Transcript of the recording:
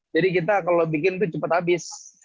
jadi kita kalau bikin itu cepat habis